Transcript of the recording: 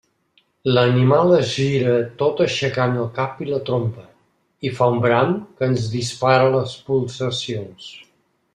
L'animal es gira tot aixecant el cap i la trompa, i fa un bram que ens dispara les pulsacions.